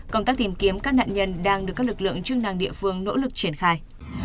công tác tìm kiếm các nạn nhân đang được các lực lượng chức năng địa phương nỗ lực triển khai